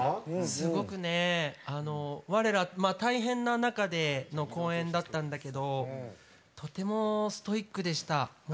すごくね我ら大変な中での公演だったんだけどとてもストイックでした。